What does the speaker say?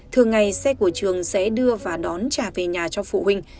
thường ngày xe của trường sẽ đưa và đón trả về nhà cho phụ huynh